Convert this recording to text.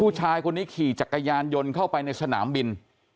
ผู้ชายคนนี้ขี่จักรยานยนต์เข้าไปในสนามบิน